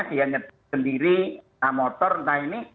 dia sendiri entah motor entah ini